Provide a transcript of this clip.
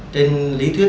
trên lý thuyết